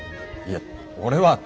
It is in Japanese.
いや俺は。